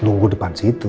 tunggu depan situ